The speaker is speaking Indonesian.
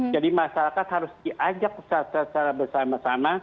jadi masyarakat harus diajak secara bersama sama